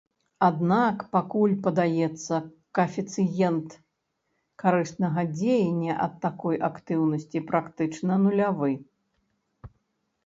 Аднак пакуль, падаецца, каэфіцыент карыснага дзеяння ад такой актыўнасці практычна нулявы.